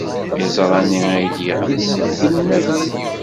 Iẓra-nni ay d-yeɣlin reglen abrid.